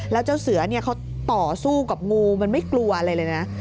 แล้วเจ้าเสือเนี่ยเขาต่อสู้กับงูมันไม่กลัวอะไรเลยนะ